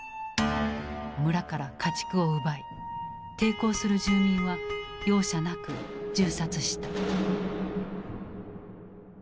村から家畜を奪い抵抗する住民は容赦なく銃殺した。